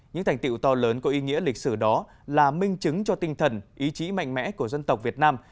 những thành tiệu to lớn có ý nghĩa lịch sử đó là minh chứng cho tinh thần ý chí mạnh mẽ của dân tộc việt nam